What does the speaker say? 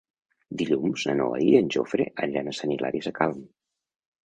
Dilluns na Noa i en Jofre aniran a Sant Hilari Sacalm.